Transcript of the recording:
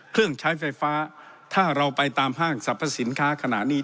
เครื่องใช้ไฟฟ้าถ้าเราไปตามห้างสรรพสินค้าขณะนี้